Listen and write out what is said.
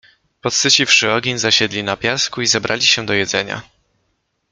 Podsyciwszy ogień zasiedli na piasku i zabrali się do jedzenia.